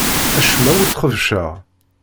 Acemma ur t-xebbceɣ.